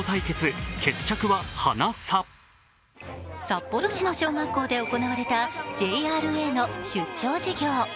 札幌市の小学校で行われたＪＲＡの出張授業。